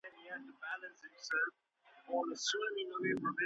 د لوړي کچي فکر کول خلاقیت زیږوي.